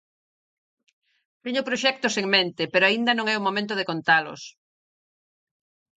Teño proxectos en mente, pero aínda non é o momento de contalos...